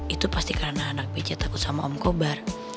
itu pasti karena anak pc takut sama om kobar